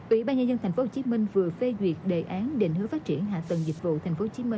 ủy ban nhân dân tp hcm vừa phê duyệt đề án định hướng phát triển hạ tầng dịch vụ tp hcm